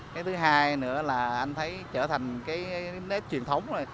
cái thứ hai nữa là anh thấy trở thành cái nét truyền thống rồi